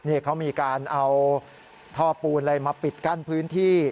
นี่เขามีการเอาท่อปูนอะไรมาปิดกั้นพื้นที่